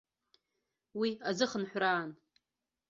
Уи азыхынҳәраан.